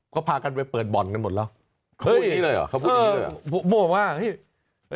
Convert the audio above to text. ก็พากันไปเปิดบ่อนกันหมดแล้วเขาพูดอย่างนี้เลยเหรอเขาพูดอย่างนี้